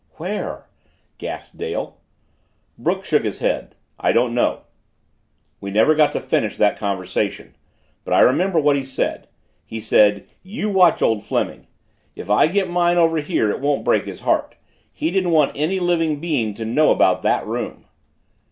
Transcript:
"Where?" gasped Dale. Brooks shook his head. "I don't know. We never got to finish that conversation. But I remember what he said. He said, 'You watch old Fleming. If I get mine over here it won't break his heart. He didn't want any living being to know about that room.'"